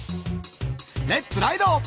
レッツライド！